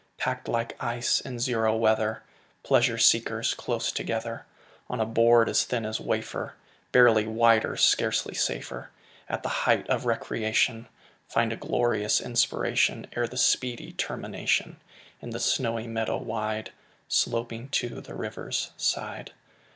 Packed like ice in zero weather, Pleasure seekers close together, On a board as thin as wafer, Barely wider, scarcely safer, At the height of recreation Find a glorious inspiration, Ere the speedy termination In the snowy meadow wide, Sloping to the river's side.